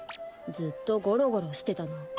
ずっとゴロゴロしてたな。